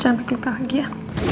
jangan terluka lagi ya